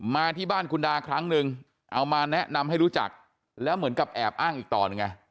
มาที่บ้านคุณดาครั้งนึงเอามาแนะนำให้รู้จักแล้วเหมือนกับแอบอ้างอีกต่อหนึ่งไง